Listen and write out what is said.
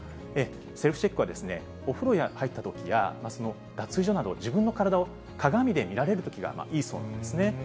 セルフチェックは、お風呂に入ったときや、脱衣所など、自分の体を鏡で見られるときがいいそうなんですね。